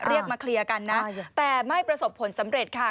เรียกมาเคลียร์กันนะแต่ไม่ประสบผลสำเร็จค่ะ